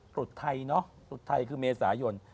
ตรุษไทยเนอะตรุษไทยคือเมษายน